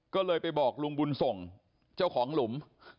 ก็เลยไปบอกลุงบุญส่งเจ้าของหลุม